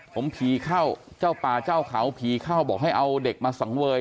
ผมผีเข้าเจ้าป่าเจ้าเขาผีเข้าบอกให้เอาเด็กมาสังเวย